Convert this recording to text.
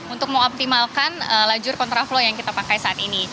untuk mengoptimalkan lajur kontraflow yang kita pakai saat ini